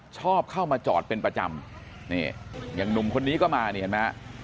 ชอบเข้ามาจอดเป็นประจำนี่อย่างหนุ่มคนนี้ก็มานี่เห็นไหมฮะ